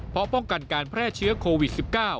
เพราะป้องกันการแพร่เชื้อโควิด๑๙